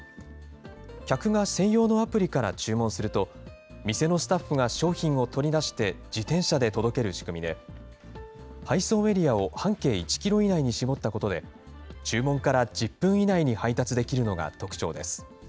客が専用のアプリから注文すると、店のスタッフが商品を取り出して自転車で届ける仕組みで、配送エリアを半径１キロ以内に絞ったことで、注文から１０分以内に配達できるのが特徴です。